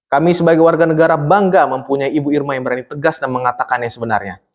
kami sebagai warga negara bangga mempunyai ibu irma yang berani tegas dan mengatakannya sebenarnya